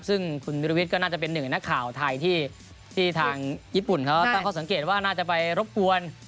ซึ่งคุณวิรวิทย์ก็น่าจะเป็นหนึ่งในนักข่าวไทยที่ทางญี่ปุ่นเขาตั้งข้อสังเกตว่าน่าจะไปรบกวน